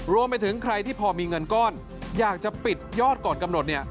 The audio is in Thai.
รวมไปถึงใครที่พอมีเงินก้อนอยากจะปิดยอดก่อนกำหนดเนี่ย